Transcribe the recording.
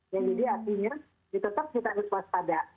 jadi artinya ditetap kita dituas pada